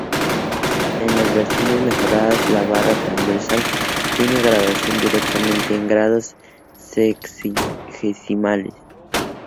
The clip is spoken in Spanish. En las versiones mejoradas la barra transversal tiene graduación directamente en grados sexagesimales.